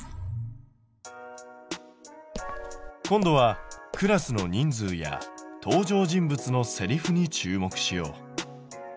今度はクラスの人数や登場人物のセリフに注目しよう。